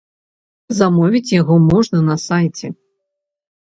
Замовіць яго можна на сайце.